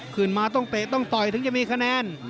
ขึ้นมาต้องเตะต้องต่อยถึงจะมีคะแนน